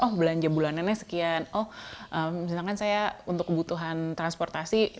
oh belanja bulanannya sekian oh misalkan saya untuk kebutuhan transportasi